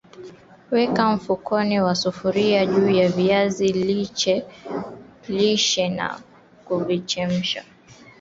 Weka mfuniko wa sufuria juu ya viazi lishe na kuvichemsha